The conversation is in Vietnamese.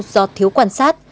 do thiếu quan sát